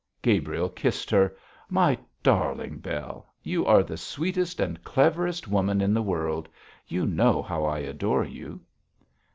Gabriel kissed her. 'My darling Bell, you are the sweetest and cleverest woman in the world. You know how I adore you.'